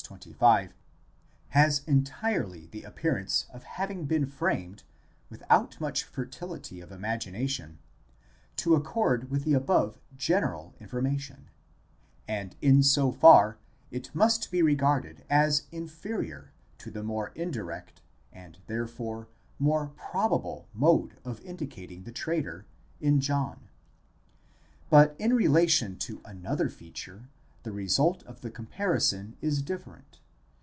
25) has entirely the appearance of having been framed, without much fertility of imagination, to accord with the above general information ; and in so far it must be regarded as inferior to the more indirect, and there fore more probable mode of indicating the traitor, in John, But in relation to another feature, the result of the comparison is different.